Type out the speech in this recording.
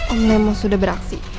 om nemo sudah beraksi